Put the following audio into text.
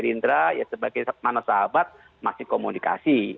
gerindra ya sebagai mana sahabat masih komunikasi